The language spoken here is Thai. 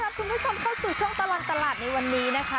คุณผู้ชมเข้าสู่ช่วงตลอดตลาดในวันนี้นะคะ